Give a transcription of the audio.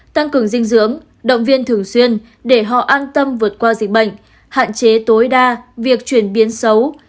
tăng cường dinh dưỡng động viên thường xuyên để họ an tâm vượt qua dịch bệnh hạn chế tối đa việc chuyển biến xấu